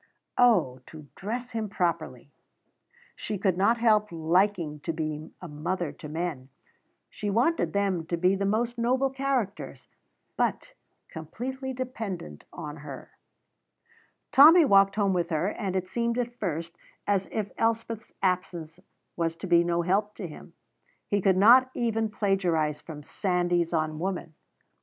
Oh, to dress him properly! She could not help liking to be a mother to men; she wanted them to be the most noble characters, but completely dependent on her. Tommy walked home with her, and it seemed at first as if Elspeth's absence was to be no help to him. He could not even plagiarize from "Sandys on Woman."